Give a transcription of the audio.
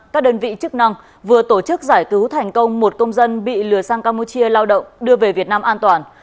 các đơn vị chức năng vừa tổ chức giải cứu thành công một công dân bị lừa sang campuchia lao động